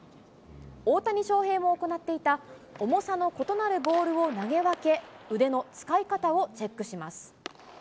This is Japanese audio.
大谷翔平も行っていた、重さの異なるボールを投げ分け、腕の使い方をチェックします。